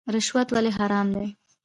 رشوت ولې حرام دی؟